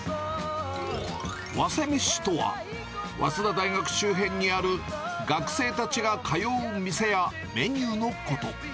ワセメシとは、早稲田大学周辺にある、学生たちが通う店やメニューのこと。